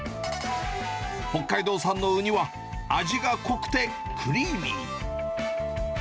北海道産のウニは、味が濃くてクリーミー。